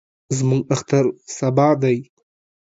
زموږ اختر سبا دئ.